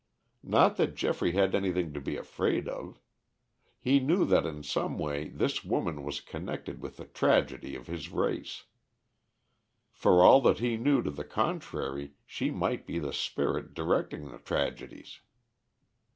Not that Geoffrey had anything to be afraid of. He knew that in some way this woman was connected with the tragedy of his race; for all that he knew to the contrary, she might be the spirit directing the tragedies.